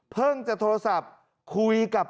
เพิ่งจะโทรศัพท์คุยกับ